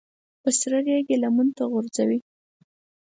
په سره ریګ یې لمر ته غورځوي.